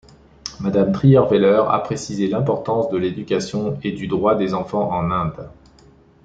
Madame Trierweiler a précisé l'importance de l'éducation et du droit des enfants en Inde.